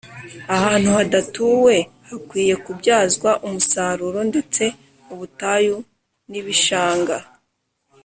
Ahantu hadatuwe hakwiye kubyazwa umusaruro ndetse ubutayu n ‘ibishanga